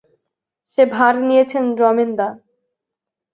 সে ভার নিয়েছেন রমেনদা।